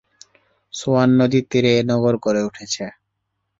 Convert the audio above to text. Schwann নদীর তীরে এ নগর গড়ে উঠেছে।